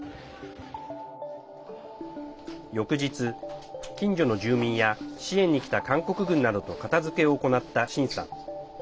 翌日、近所の住民や支援にきた韓国軍などと片づけを行ったシンさん。